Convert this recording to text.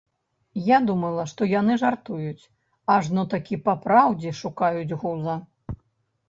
Я думала, што яны жартуюць, ажно такі папраўдзе шукаюць гуза.